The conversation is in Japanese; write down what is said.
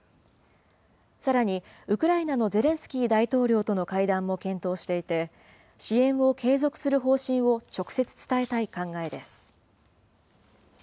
さらに、ウクライナのゼレンスキー大統領との会談も検討していて、支援を継続する方針を直接伝えたい考えです。